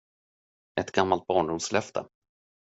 Ett gammalt barndomslöfte.